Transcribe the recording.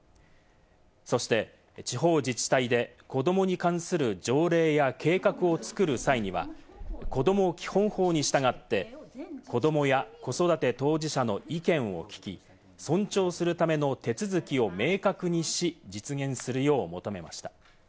そして地方自治体で子どもに関する条例や計画を作る際には、子ども基本法に従って子どもや子育て当事者の意見を聞き、尊重するための手続きを明確にし、実現するよう求めました。